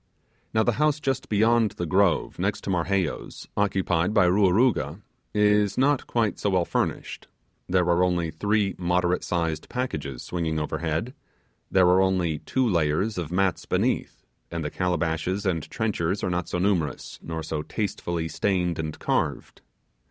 Now, the house just beyond the grove, and next to Marheyo's, occupied by Ruaruga, is not quite so well furnished. There are only three moderate sized packages swinging overhead: there are only two layers of mats beneath; and the calabashes and trenchers are not so numerous, nor so tastefully stained and carved.